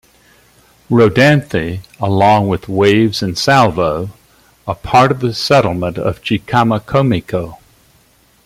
Rodanthe, along with Waves and Salvo, are part of the settlement of Chicamacomico.